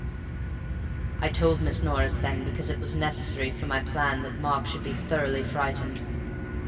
"I told Miss Norris, then, because it was necessary for my plan that Mark should be thoroughly frightened.